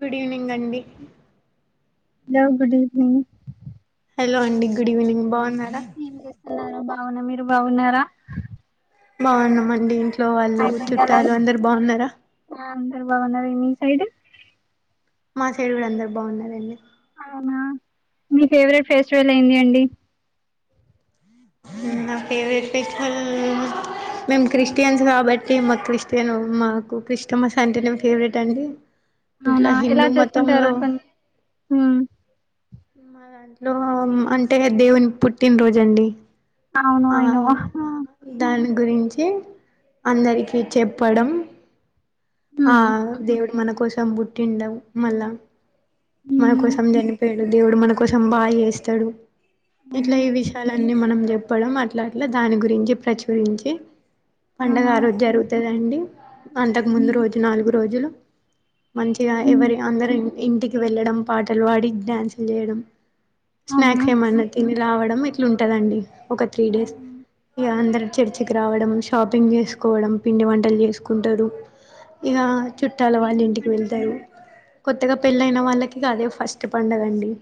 Good evening అండి hello good evening hello అండి good evening బా ఏం చేస్తున్నారు బాగున్న మీరు బాగున్నారా బాగున్నామండి ఇంట్లో వాళ్ళు అయిపోయిందా చుట్టాలు అందరు బాగున్నారా బావున్నారా మీ సైడ్ మా సైడ్ గూడ అందరు బాగున్నారండి అవునా మీ ఫేవరెట్ ఫెస్టివల్ ఏంది అండి నా ఫేవరట్ ఫెస్టివల్ మేము క్రిస్టియన్స్ కాబట్టి మాకు క్రిస్టియన్ మాకు క్రిస్టమస్ అంటేనే ఫేవరెట్ అండి ఇట్లా అవునా ఎలా హిందూ చేసుకుంటారు మతంలో పన్ ఉమ్ మా దాంట్లో అంటే దేవుని పుట్టినరోజండి అవును ఐ నో అందరికీ చెప్పడం ఆ ఉమ్ దేవుడు మన కోసం బుట్టి ఉండవు మళ్ళా మన ఉమ్ కోసం చనిపోయాడు దేవుడు మన కోసం బాగా చేస్తాడు ఇట్లా అవును ఈ విషయాల మనం చెప్పడం అట్లా అట్లా దాని గురించి ప్రచురించి పడంగ ఆహా ఆ రోజు జరుగుతాద అండి అంతక ముందు ఉమ్ రోజు నాలుగు రోజులు మంచిగా ఉమ్, ఎవరి అందరు ఇంటికి వెళ్ళడం పాటలు పాడి డ్యాన్సులు చేయడం అవునా స్నాక్స్ ఏమన్నా తిని రవడం ఇట్లుంటదిండిఒక త్రీ డేస్ ఉమ్, ఇగ అందరుచర్చికి రావడం షాపింగ్ చేసుకోవడం పిండి వంటలు చేసుకుంటారు ఇక ఉమ్. చుట్టాల వాళ్ళ ఏమేం ఇంటికి వండుతారు వెళ్తారు కొత్తగా పెళైయిన వాళ్ళకి అదే ఫస్ట్ పడుగండి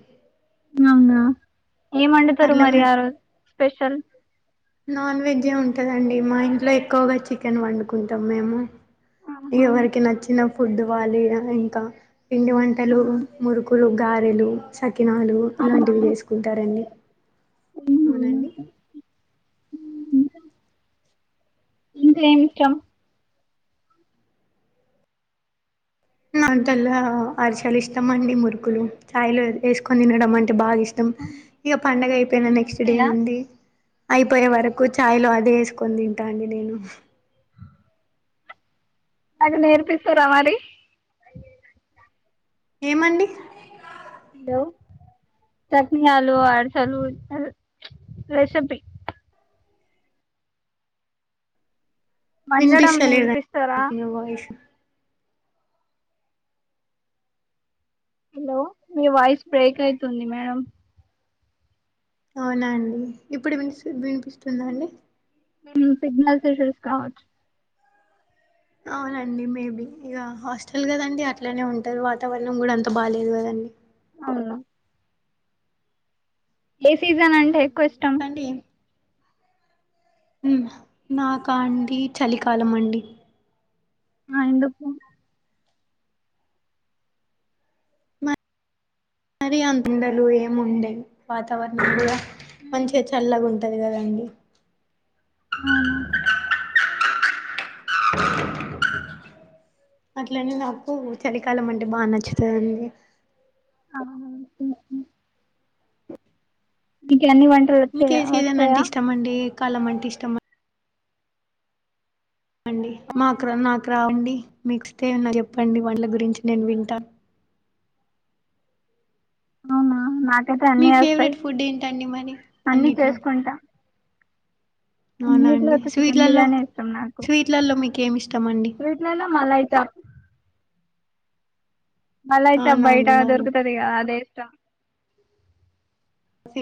అవునా ఏం వండుతారు అట్లా మరి మే ఆ రోజుస్పెషల్ నాన్ వెజే ఉంటుందండి మా ఇంట్లో ఎక్కువగా చికెన్ వండుకుంటాం మేము ఆహా ఎవరికి నచ్చిన ఫుడ్ వాలి ఇంకా పిండి వంటలు ఆహా మురుకులు గారెలు సకినాలు ఆహా ఇలాంటివి చేసుకుంటారండి అవునండి మీకు ఏమి ఇష్టం అంతల్లా అరిసలు ఇష్టంఅండి మురుకులు చాయ్. లో వేసుకొని తినడం అంటే బాగా ఇష్టం ఇష్టంఇక పండగ అయిపోయిన మీకు నెక్స్ట్ డే వస్తాయా నుండి అయిపోయే వరకు ఛాయలో అదెవేసుకొని తింటాండి నేను నాకు నేర్పిస్తారమరి ఏమండి హలో చక్కిలాలు అరిసలు రెసిపీ వండడం నేర్పిస్తారా వినిపిస్తలేదండివాయిసు హలో మీ వాయిస్ బ్రేక్ అయితుంది మేడం అవునా అండి ఇప్పుడు విని వినిపిస్తుంద అండి ఉసిగ్నల్స్ ' ఇషుస్ కావచ్చు అవునండి మేబీ ఇక హాస్టల్ కదండి అట్లానే ఉంటారు వాతావరణం కూడా అంత బాగాలేదు కదండి అవును ఏ సీజన్ అంటే ఎక్కువ ఇష్టం ఉనాకా అండి చలికాలం అండి ఆ ఎందుకు మరి అంతుండలుఏముండేవి వాతావరణ కూడా మ్మ్. మంచిగా చల్లగా ఉంటు ఉంటదిగదండి అవున అట్లనే నాకు చలికాలం అంటే బాగానచ్చు తాదండి ఆ వంటలు మీకే వచ్చాయా సీజన్ అంటే వస్తాయా ఇష్టమండి ఎ కాలం అంటే ఇష్టమండి అండి ఆ, మా అకరా నాక రావండి మీకొస్తే ఎవన్న చెప్పండి వంటల గురించి నేను వింటాను అవునా నాకైతే మీ అన్ని వస్తాయి ఫేవరెట్ ఫుడ్ ఏంటండి మరి అన్ని అన్నిట్లో చేసుకుంటా అవునా అన్నిట్లో అండి అయితే చికెన్ స్వీట్లలో బిర్యానీ ఇష్టం నాకు స్వీట్లలో మీకు ఏమి ఇష్టమండి వీట్లలో మలైతా మళ్ళ అవునా అయితేఆబయట అండి నాకు దొరుకుతదిగా అదే ఇష్టం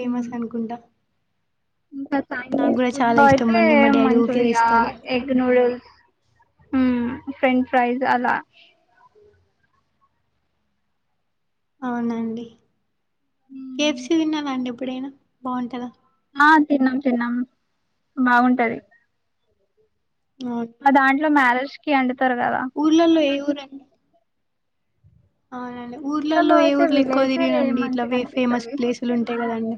ఉమ్ అనుకుంటా ఇంకా నాకు చైనైనీస్ కూడా ఫుడ్ చాలా లో ఇష్టం అయితే అండి మా డాడీ ఊకే మంచూరియా తెస్తారు ఎగ్ నూడిల్స్ ఫ్రెంచ్ ఫ్రైజ్ అలా అవునండి కేయప్. సి తిన్నారండి ఎప్పుడైనా బావుంటదా ఆ తిన్నాం తిన్నాం బాగుంటది ఆ దాంట్లో మ్యారేజ్ కి అండి ఊర్లల్లో ఏఊరం అవునండి ఊర్లలో ఇట్లలో ఏ అయితే ఊర్లో ఎక్కువ వీలైతే తిరిగ రనండి ఇట్లా మంచిగా వే ఫేమస్ అనిపిస్తది ప్లేసులు ఉంటాయి కదండి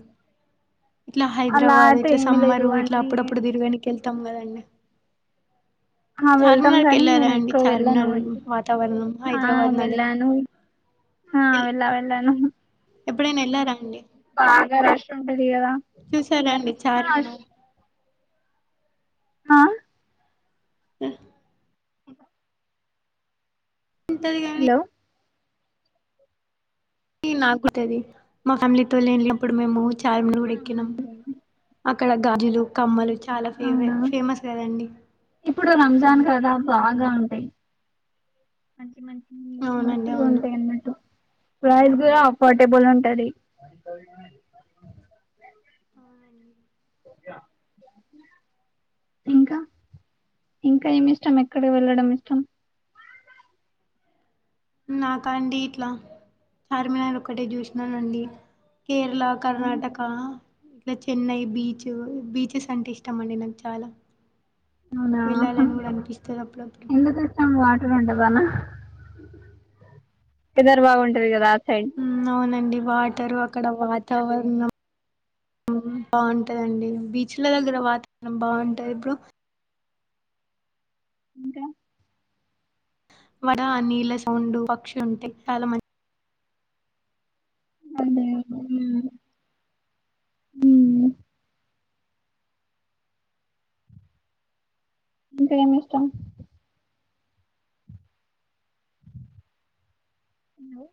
ఇట్లా అలా హైదరాబాద్ అయితే ఇట్లా ఏమి లేదు సమ్మరు ఇట్లా అన్ని అప్పుడప్పుడు తిరగనికి వెళ్తాం కదండి ఆ వెళ్దాం చార్మినార్కి కానీ వెళ్ళారా నేను అండి ఎక్కడ వెళ్ళాను చార్మినార్ అంట వాతావరణం ఆ హైదరాబాద్ నగరం వెళ్ళాను ఆా ఎల్ వెళ్ళ వెళ్లాను ఎప్పుడైనా వెళ్లారా అండి బాగా రష్ ఉంటది కదా చూసారాండి ఆ చార్మినార్ ఆ ఆ ఇతే తిమ్తది కానీ నాకు తెలీదు మా ఫ్యామిలీతో లేల్నీ నపుడు మేము చార్మను ఆ కూడా ఎక్కినాము మంచిదండి. అక్కడ గాజులు కమ్మలు చాలా ఫేవ అవునా ఫేమస్ కదండి ఇప్పుడు రంజాన్ కదా బాగా ఉంటాయి మంచి మంచి అవునండి అవును మస్తుగుంటాయ్ అన్నట్టు ప్రైస్ కూడా అఫోర్డబుల్ ఉంటది ఇంకా ఇంకా ఏమి ఇష్టం ఎక్కడ వెళ్ళడం ఇష్టం నాకా అండి ఇట్లా చార్మినారు ఒక్కటే చూసినానండి కేరళ కర్ణాటక ఇట్లా చెన్నై బీచ్ బీచెస్ అంటే ఇష్టం అండి నాకు చాలా అవునా వెళ్ళాలని కూడా అనిపిస్తది అప్పుడప్పుడు ఎందకి స్టమ్ గుంటదానా ఇదరు బాగుంటది కదా సైడ్ అవునండి వాటరు అక్కడ వాతావరణం బాగుంటందండి బీచ్ల దగ్గర వాతావరణం బాగుంటంది బ్రో ఇంకా వడ నీళ్ళ సౌండు పక్షి ఉంటే చాలా మం అంటే ఉమ్ ఉమ్ ఇంక ఏమి ఇష్టం హలో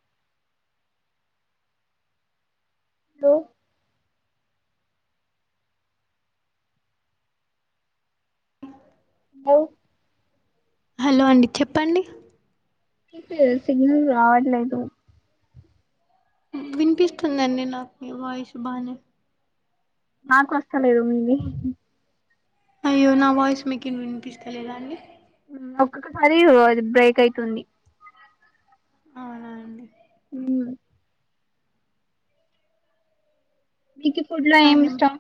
లో హలో హలో అండి చెప్పండి లేదు సిగ్నల్ రావట్లేదు వినిపిస్తుందండి నాకు మీ వాయిసు బానే నాకు వస్తలేదు మీది అయ్యో నా వాయిస్ మీకిన్ వినిపిస్తలేదా అండి ఒక్కొక్కసారి అది బ్రేక్ అయితుంది అవునా అండి ఉమ్ మీకు ఫుడ్ లో ఇంకా ఏమి అండి ఇష్టం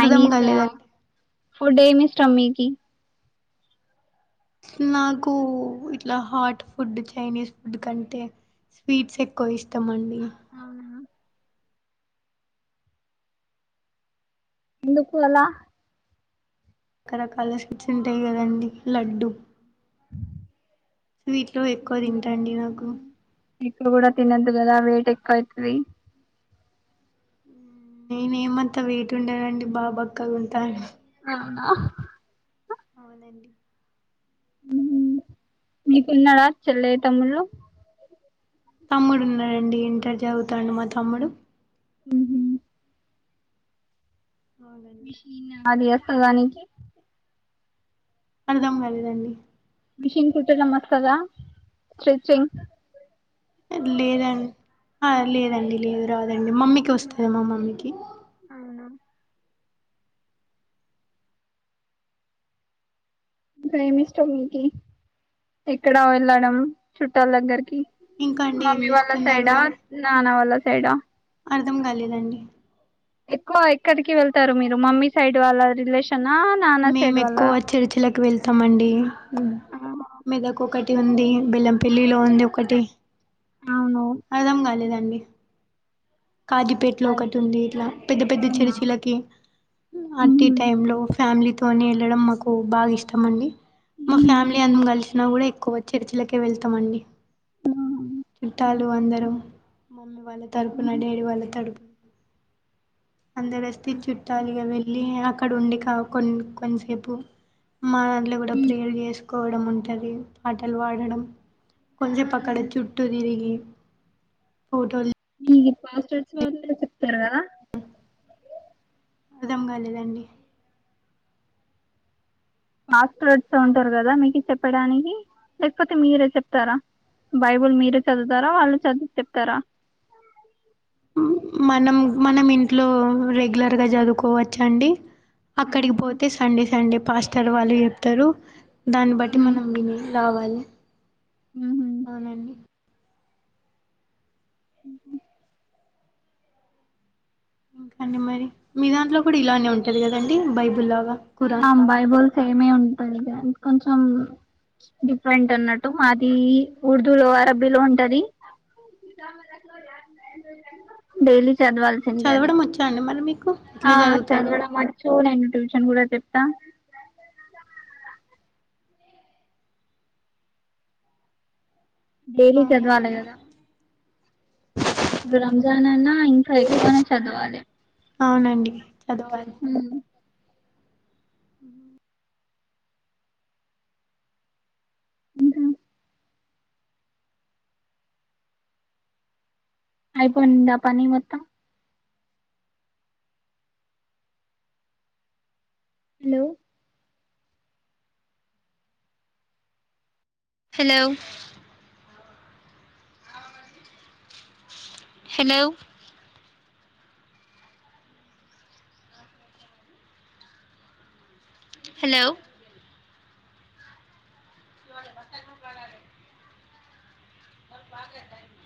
అర్థం కాలేదండి ఫుడ్ ఏమి ఇస్తాం మీకు నాకు ఇట్లా హాట్ ఫుడ్ చైనీస్ ఫుడ్ కంటే స్వీట్స్ ఎక్కువ ఇష్టం అండి అవునా ఎందుకు పోల రకరకాల స్వీట్స్ ఉంటాయి కదండి లడ్డుూ స్వీట్లో ఎక్కువ తింటా అండి నాకు స్వీట్లు కూడా తినద్దు కదా వేట్ ఎక్కువ అయ్ తది నేనే ఏమంతా వెయిట్ ఉండనండి బాబక్క గ ఉంటా ను అవునా అవునండి. మీకున్నడా చెల్లె, తమ్ముళ్ళు. తమ్ముడు ఉన్నడండి ఇంటర్ చదువుతాండు మా తమ్ముడు. హుహ్ అవునండి అది అస్తదా నీకి అర్థం కాలేదండి. మిషిన్ కుట్టడం వస్తదా స్ట్రిచింగ్. లేదండి ఆ లేదండి లేదు రాద దండి మమ్మీకి వస్తది మా మమ్మీకి. అవునా ఏమిష్టం మీకి? ఎక్కడా వెళ్ళడం చుట్టాల దగ్గరకి ఇంకా అండి ఏం మమ్మీ వాళ్ళ చేస్తున్నారు సైడా, మరి నాన్న వాళ్ళ సైడా. అర్థం కాలేదండి. ఎక్కువ ఎక్కడికి వెళ్తారు మీరు మమ్మీ సైడ్ వాళ్ళ రిలేషన్ మేము ఎక్కువ చెర్చిలకు వెళ్ తమండి మెదక్ ఒకటి ఉంది, బెల్లంపెల్లిలో ఉంది ఒకటి. అవును అర్థం కాలేదండి. కాజిపేట్లో అది ఒకటి ఉంది, ఇట్లా పెద్ద పెద్ద అవునా చెర్చిలకి అట్టి ఉహు. టైం లో ఫ్యామిలీ తో తోని వెళ్ళడం మాకు బాగా ఇష్టం అండి. మా ఫ్యామిలీ ఉహు. అందరం కలిసి అయినా కూడా ఎక్కువ చర్చిలకే వెళ్తామండి. చుట్టాలు అందరూ మమ్మీ వాళ్ళ తరపు డాడి వాళ్ళ తడుపు అందరస్తి చుట్టాలిగా వెళ్ళి అ అక్కడ ఉండి కా కొన్ని కొంతసేపు మాదాట్లో కూడా ప్రేయర్ చేసు కోవడం ఉంటది. పాటలు పాడడం కొంచసేపు అక్కడ చుట్టూ తిరిగి ఫోటోలు హీ పాస్టర్స్ వాళ్ళే చెప్తారా. అర్థం కాలేదండి. పాస్టర్స్ ఉంటరు కదా మీకి చెప్పడానికి లేకపోతే మీరే చెప్తరా. బైబుల్ మీరే చదువుతారా, వాళ్ళు చదివి చెప్తారా. మనం మనం ఇంట్లో రెగ్యులర్గా చదువుకోవచ్చు అండి. అక్కడికి ఉహు. పోతే సండే సండే పాస్టర్ వాళ్ళు చెప్తరు దాన్ని బట్టి మనం విని రావాలి ఉహు. అవునండి. ఇంకా అండి మరి. మీ దాంట్లో కూడా ఇలానే ఉంటది కదండి బైబుల్ లాగా. ఆ ఖురాన్ బైబుల్ సేమే ఉంటది కానీ కొంచెం డిఫరెంట్ అన్నట్టు. మాది ఉర్దూ లో అరబ్బీలో ఉంటది. డైలీ అవునా అండి చదవాల్సిందే అది చదవడం వచ్చా అండి మరి మీకు. ఆ ఎట్లా చదువుతారు చదవడం వచ్చు నేను ట్యూషన్ కూడా చెప్తా. డైలీ చదవాలి అవునండి కదా. ఇప్పుడు రంజాన్ అన్నా ఇంకా ఎక్కువనే చదవాలే. అవునండి చదవాలి. ఉ ఇంకా అయిపోయిందా పని మొత్తం. హలో హలో అవునండి హలో హలో ఇవాళ బత్త [unintelligible] ఇవాళ బాగలే టైమింగ్